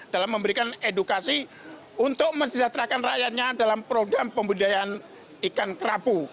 dalam memberikan edukasi untuk mensejahterakan rakyatnya dalam program pembudayaan ikan kerapu